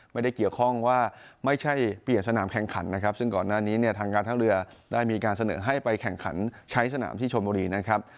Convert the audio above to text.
ไม่ได้เกี่ยวข้องว่าไม่ใช่เปลี่ยนสนามแข่งขันนะครับซึ่งก่อนหน้านี้เนี่ยทางการท่าเรือได้มีการเสนอให้ไปแข่งขันใช้สนามที่ชนบุรีนะครับ